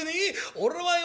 俺はよ